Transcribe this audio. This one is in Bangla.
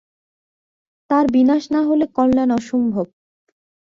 তার বিনাশ না হলে কল্যাণ অসম্ভব।